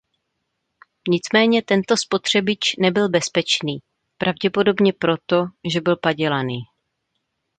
Nicméně tento spotřebič nebyl bezpečný, pravděpodobně proto, že byl padělaný.